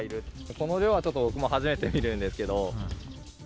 この量は僕もちょっと初めて見るんですけど。